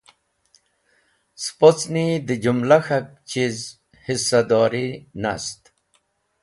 Sponcni dẽ jũmla k̃hak chiz hisadori nast